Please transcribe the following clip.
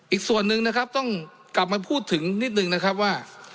อีกส่วนหนึ่งนะครับต้องกลับมาพูดถึงนิดนึงนะครับว่า